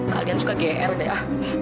kalian suka gr ya